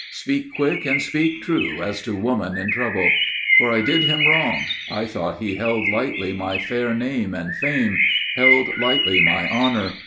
Speak quick and speak true as to woman in trouble. For I did him great wrong, I thought he held lightly My fair name and fame; held lightly my honor.